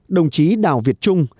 đồng chí đào việt trung